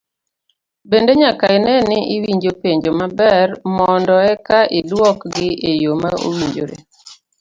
Bende nyaka ine ni iwinjo penjo maber mondo eka iduok gi eyo ma owinjore.